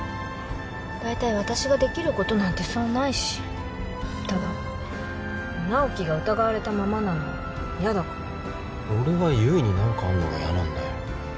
大体私ができることなんてそうないしただ直木が疑われたままなのは嫌だから俺は悠依に何かあんのが嫌なんだよ